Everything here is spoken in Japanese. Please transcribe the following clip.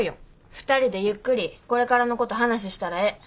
２人でゆっくりこれからのこと話したらええ。